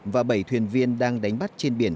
và bảy thuyền viên đang đánh bắt trên biển